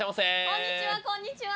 こんにちはこんにちは。